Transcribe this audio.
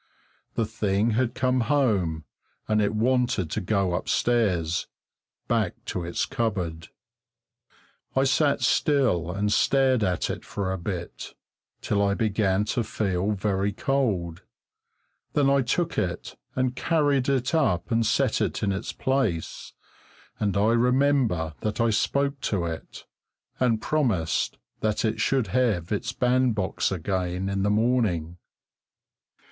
The thing had come home, and it wanted to go upstairs, back to its cupboard. I sat still and stared at it for a bit, till I began to feel very cold; then I took it and carried it up and set it in its place, and I remember that I spoke to it, and promised that it should have its bandbox again in the morning.